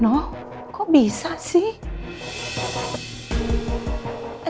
noh kok bisa sih